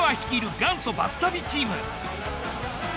元祖バス旅チーム。